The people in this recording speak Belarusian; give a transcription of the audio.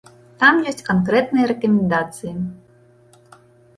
Там ёсць канкрэтныя рэкамендацыі.